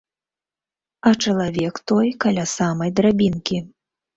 А чалавек той каля самай драбінкі.